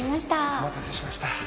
お待たせしました。